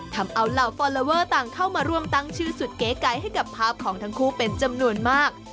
ทำเอาเหล่าฟอลลอเวอร์ต่างเข้ามาร่วมตั้งชื่อสุดเก๋ไก่ให้กับภาพของทั้งคู่เป็นจำนวนมาก